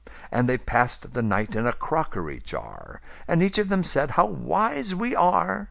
And they pass'd the night in a crockery jar; And each of them said, "How wise we are!